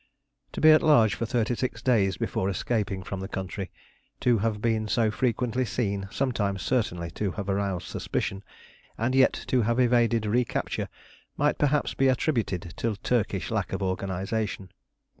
To be at large for thirty six days before escaping from the country, to have been so frequently seen, sometimes certainly to have aroused suspicion, and yet to have evaded recapture, might perhaps be attributed to Turkish lack of organisation.